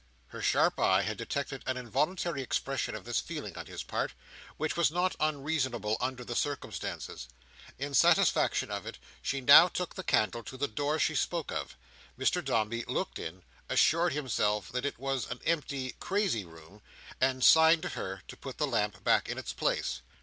Her sharp eye had detected an involuntary expression of this feeling on his part, which was not unreasonable under the circumstances. In satisfaction of it she now took the candle to the door she spoke of. Mr Dombey looked in; assured himself that it was an empty, crazy room; and signed to her to put the light back in its place.